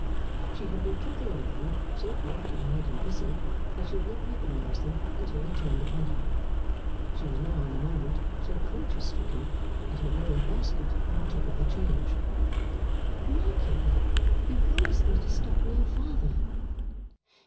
She had been trotting along, so preoccupied and busy that she had not recognised them until they turned upon her. She was now in a moment so conscience stricken that her very basket partook of the change. 'Maggy, you promised me to stop near father.